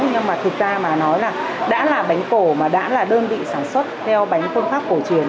nhưng mà thực ra mà nói là đã là bánh cổ mà đã là đơn vị sản xuất theo bánh phương pháp cổ truyền